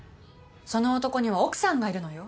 その男には奥さんがいるのよ。